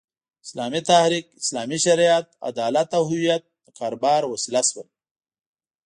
اسلامي تحریک، اسلامي شریعت، عدالت او هویت د کاروبار وسیله شول.